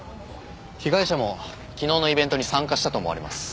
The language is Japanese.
被害者も昨日のイベントに参加したと思われます。